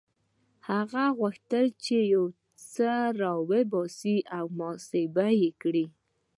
هغه غوښتل چې يو څه را وباسي او محاسبه يې کړي.